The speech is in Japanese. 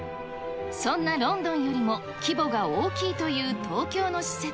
そんなロンドンよりも規模が大きいという東京の施設。